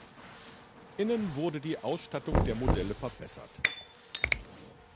Innen wurde die Ausstattung der Modelle verbessert.